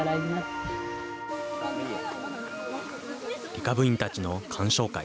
理科部員たちの観賞会。